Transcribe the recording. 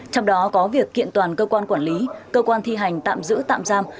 trong đó có việc kiện toàn cơ quan quản lý cơ quan thi hành tạm giữ tạm giam